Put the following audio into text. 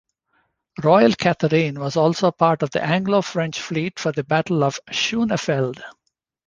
"Royal Katherine" was also part of the Anglo-French fleet for the Battle of Schooneveld.